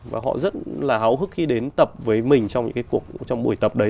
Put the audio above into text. và họ rất là háo hức khi đến tập với mình trong những cái cuộc trong buổi tập đấy